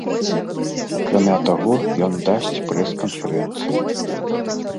Акрамя таго, ён дасць прэс-канферэнцыю.